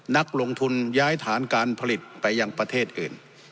นักลงทุนย้ายฐานการผลิตไปยังประเทศอื่น